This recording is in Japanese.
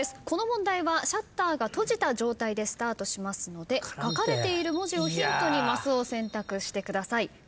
この問題はシャッターが閉じた状態でスタートしますので書かれている文字をヒントにマスを選択してください。